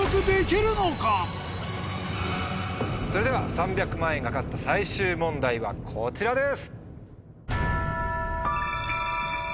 それでは３００万円が懸かった最終問題はこちらです。